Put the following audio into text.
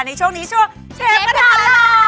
ในช่วงนี้ช่วงเชฟมาทักหลอก